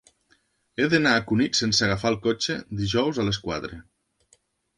He d'anar a Cunit sense agafar el cotxe dijous a les quatre.